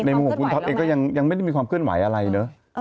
มุมของคุณท็อปเองก็ยังไม่ได้มีความเคลื่อนไหวอะไรเนอะ